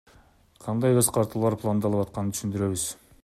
Кандай кыскартуулар пландалып атканын түшүндүрөбүз.